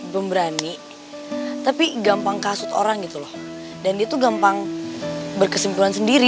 memberani tapi gampang kasut orang gitu loh dan itu gampang berkesimpulan sendiri